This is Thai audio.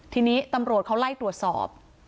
ทีนี้ตำรวจเขาไล่ตรวจสอบ